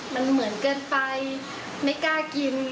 มันเหมือนเกินไปไม่กล้ากิน